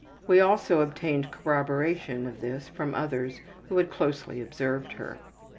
We also obtained corroboration of this from others who had closely observed her.